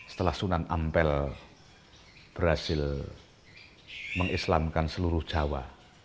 setelah sunan ampel berhasil mengislamkan seluruh jawa